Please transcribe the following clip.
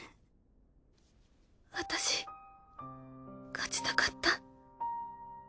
私勝ちたかった。